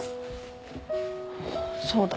そうだ。